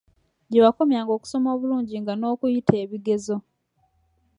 Gye wakomyanga okusoma obulungi nga n'okuyita ebigezo.